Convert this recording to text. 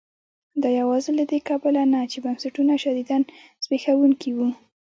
دا یوازې له دې کبله نه چې بنسټونه شدیداً زبېښونکي وو.